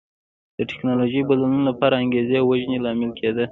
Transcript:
د ټکنالوژیکي بدلونونو لپاره انګېزې وژنې لامل کېده.